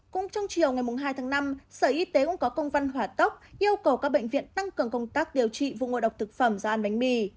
cũng trong chiều ngày hai tháng năm sở y tế cũng có công văn hỏa tốc yêu cầu các bệnh viện tăng cường công tác điều trị vụ ngộ độc thực phẩm do ăn bánh mì